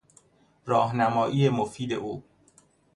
راهنمایی مفید او